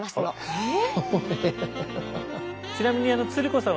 へえ。